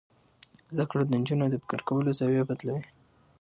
زده کړه د نجونو د فکر کولو زاویه بدلوي.